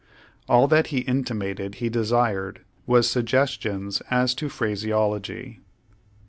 All that he intimated he desired was suggestions as to phraseology.